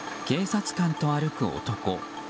警察官と歩く男。